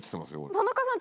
田中さん